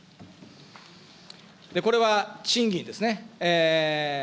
これは、賃金ですね。